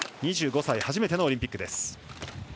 ２５歳、初めてのオリンピック。